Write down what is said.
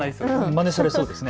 まねされそうですね。